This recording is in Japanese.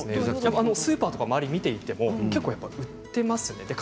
スーパーとか周りを見ていても結構売っていますね。